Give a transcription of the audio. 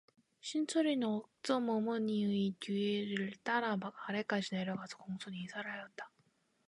신철이는 옥점 어머니의 뒤를 따라 막 아래까지 내려가서 공손히 인사를 하였다.